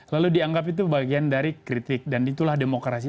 lalu dianggap itu bagian dari kritik dan itulah demokrasi